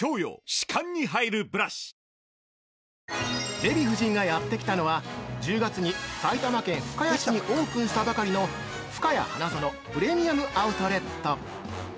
◆デヴィ夫人がやってきたのは１０月に埼玉県深谷市にオープンしたばかりの「ふかや花園プレミアム・アウトレット」